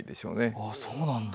ああそうなんだ。